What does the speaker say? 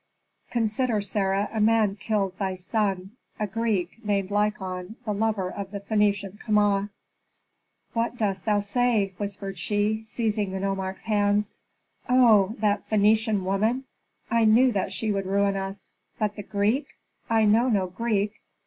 "Consider, Sarah, a man killed thy son, a Greek, named Lykon, the lover of the Phœnician Kama." "What dost thou say?" whispered she, seizing the nomarch's hands. "Oh, that Phœnician woman! I knew that she would ruin us. But the Greek? I know no Greek.